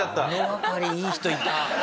物分かりいい人いた。